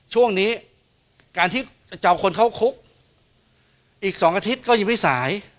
ช่วงนี้การที่จะเอาคนเข้าคุกอีก๒อาทิตย์ก็ยังไม่สาย